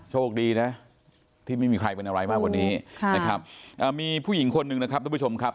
โชคดีนะที่ไม่มีใครเป็นอะไรมากกว่านี้นะครับมีผู้หญิงคนหนึ่งนะครับทุกผู้ชมครับ